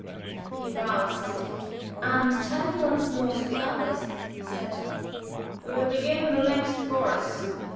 He bowed slightly, and turning once more to the others, said: "We will begin the next chorus.